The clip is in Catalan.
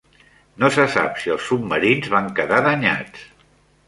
No se sap si els submarins van quedar danyats.